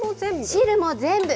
汁も全部。